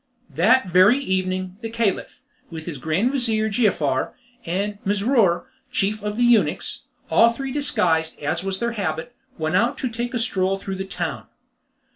That very evening, the Caliph, with his grand vizir Giafar, and Mesrour, chief of the eunuchs, all three disguised, as was their habit, went out to take a stroll through the town.